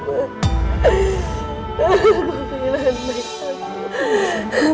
aku kehilangan baik aku